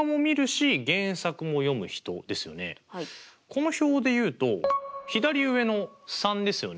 この表でいうと左上の３ですよね。